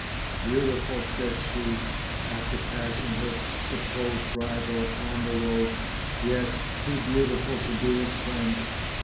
"Beautiful!" said she, after passing her supposed rival upon the road. "Yes; too beautiful to be his friend!"